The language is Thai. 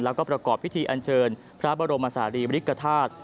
แล้วก็ประกอบพิธีอันเชิญพระบรมศาลีบริกฐาตุ